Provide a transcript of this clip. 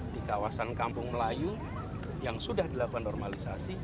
di kawasan kampung melayu yang sudah dilakukan normalisasi